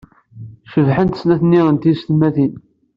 Cebḥent snat-nni n teysetmatin.